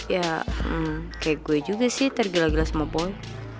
yaa hmmm kayak gue juga sih tergila gila sama boy